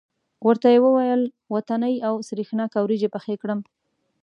ورته یې وویل وطنۍ او سرېښناکه وریجې پخې کړم.